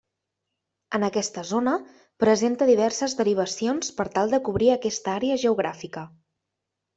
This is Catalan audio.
En aquesta zona presenta diverses derivacions per tal de cobrir aquesta àrea geogràfica.